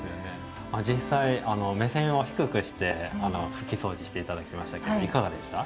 実際目線を低くして拭きそうじして頂きましたけどいかがでした？